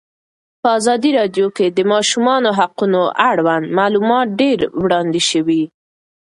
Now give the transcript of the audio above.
په ازادي راډیو کې د د ماشومانو حقونه اړوند معلومات ډېر وړاندې شوي.